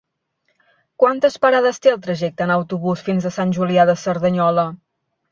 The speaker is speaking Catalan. Quantes parades té el trajecte en autobús fins a Sant Julià de Cerdanyola?